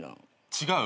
違う？